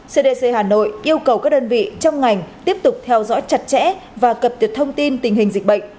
cdc hà nội yêu cầu các đơn vị trong ngành tiếp tục theo dõi chặt chẽ và cập nhật thông tin tình hình dịch bệnh